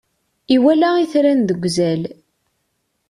Iwala itran deg uzal.